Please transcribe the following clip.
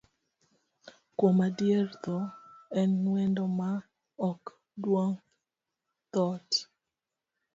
Kuom adier, thoo en wendo ma ok duong' dhoot.